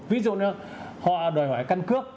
ví dụ như họ đòi hỏi căn cước